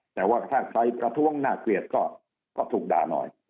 แต่ว่าถ้าใครประท้วงน่าเกลียดก็ถูกด่าหน่อย